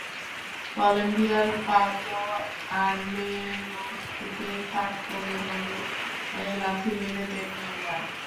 কলম্বিয়ার পাবলো আরমেরোর দিকে তাক করে বলে লাথি মেরে দেন নেইমার।